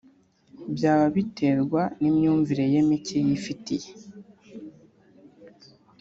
byaba biterwa n’imyumvire ye mike yifitiye